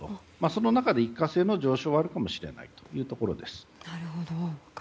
その中で一過性の上昇はあるかもしれないというところです。